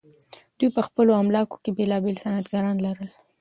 دوی په خپلو املاکو کې بیلابیل صنعتکاران لرل.